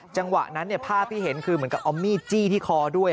จังหวะนั้นภาพที่เห็นคือเหมือนกับเอามีดจี้ที่คอด้วย